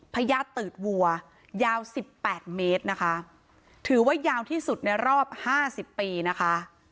พญาติตืดวัวยาว๑๘เมตรนะคะถือว่ายาวที่สุดในรอบ๕๐ปีนะคะ